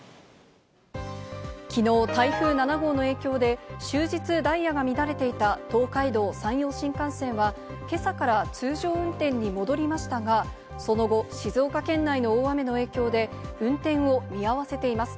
きのう台風７号の影響で終日、ダイヤが乱れていた東海道・山陽新幹線は今朝から通常運転に戻りましたが、その後、静岡県内の大雨の影響で運転を見合わせています。